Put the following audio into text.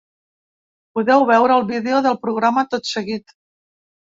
Podeu veure el vídeo del programa tot seguit.